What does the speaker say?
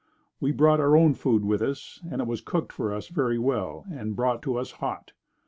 We brought our own food with us and it was cooked for us very well and brought to us hot.